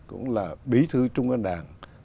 cũng là bí thư trung ơn đảng